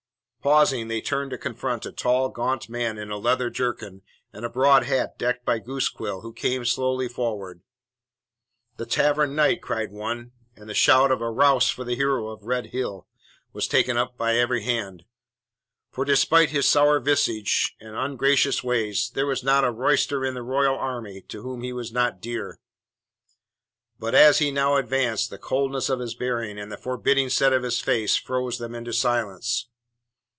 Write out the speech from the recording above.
Pausing, they turned to confront a tall, gaunt man in a leather jerkin and a broad hat decked by goose quill, who came slowly forward. "The Tavern Knight," cried one, and the shout of "A rouse for the hero of Red Hill!" was taken up on every hand. For despite his sour visage and ungracious ways there was not a roysterer in the Royal army to whom he was not dear. But as he now advanced, the coldness of his bearing and the forbidding set of his face froze them into silence.